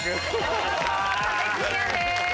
見事壁クリアです。